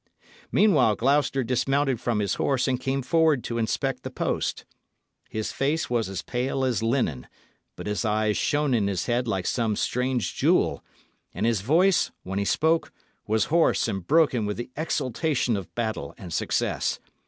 Meanwhile Gloucester dismounted from his horse and came forward to inspect the post. His face was as pale as linen; but his eyes shone in his head like some strange jewel, and his voice, when he spoke, was hoarse and broken with the exultation of battle and success.